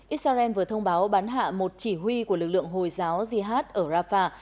israel vừa thông báo bắn hạ một chỉ huy của lực lượng hồi giáo jihad ở rafah